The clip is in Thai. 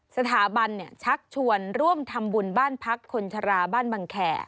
สถาบันชักชวนร่วมทำบุญบ้านพักคนชราบ้านบังแข่